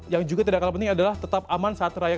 yang juga tidak kalah penting adalah tetap aman saat raya